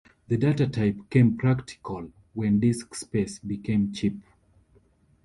The data type became practical when disk space became cheap.